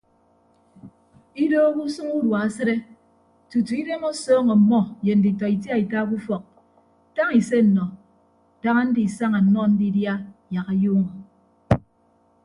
Idoho usʌñ udua asịde tutu idem ọsọọñ ọmmọ ye nditọ itiaita ke ufọk tañ ise nnọ daña ndisaña nnọ ndidia yak ayuuñọ.